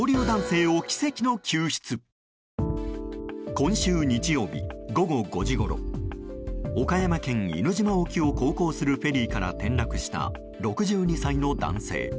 今週日曜日午後５時ごろ岡山県犬島沖を航行するフェリーから転落した、６２歳の男性。